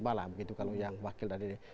begitu kalau yang wakil dan adik